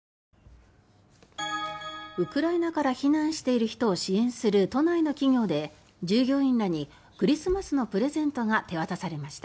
ウクライナから避難している人を支援する都内の企業で従業員らにクリスマスのプレゼントが手渡されました。